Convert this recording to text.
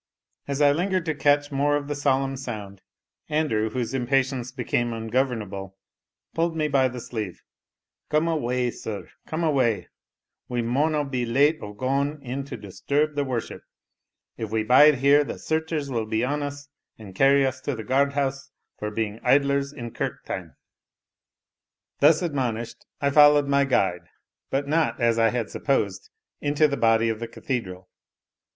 As I lingered to catch more of the solemn sound, Andrew, whose impatience became ungovernable, pulled me by the sleeve "Come awa', sir come awa'; we maunna be late o' gaun in to disturb the worship; if we bide here the searchers will be on us, and carry us to the guard house for being idlers in kirk time." Thus admonished, I followed my guide, but not, as I had supposed, into the body of the cathedral.